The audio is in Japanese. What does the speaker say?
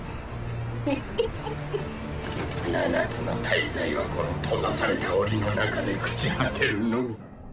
イヒヒヒ七つの大罪はこの閉ざされた檻の中で朽ち果てるのみ。